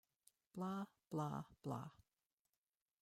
Blah, blah, blah.